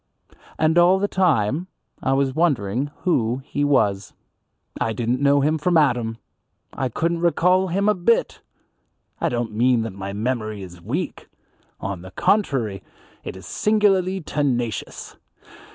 And all the time I was wondering who he was. I didn't know him from Adam; I couldn't recall him a bit. I don't mean that my memory is weak. On the contrary, it is singularly tenacious.